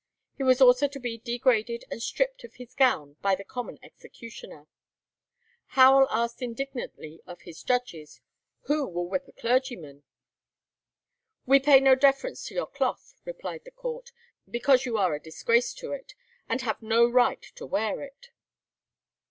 He was also to be degraded and stripped of his gown by the common executioner. Howell asked indignantly of his judges, "Who will whip a clergyman?" "We pay no deference to your cloth," replied the court, "because you are a disgrace to it, and have no right to wear it."